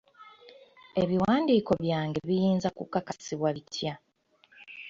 Ebiwandiiko byange biyinza kukakasibwa bitya?